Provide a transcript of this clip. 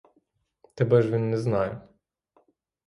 Тебе ж він не знає.